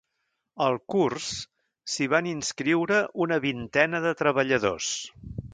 Al curs, s’hi van inscriure una vintena de treballadors.